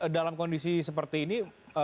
dalam kondisi seperti ini